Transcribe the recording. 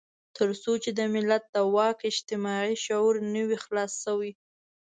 تر څو چې د ملت د واک اجتماعي شعور نه وي خلاص شوی.